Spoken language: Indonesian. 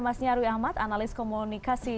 mas nyarwi ahmad analis komunikasi